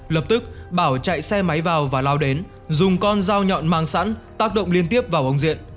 lập tức bảo chạy xe máy vào và lao đến dùng con dao nhọn mang sẵn tác động liên tiếp vào ông diện